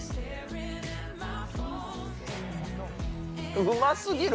うますぎる。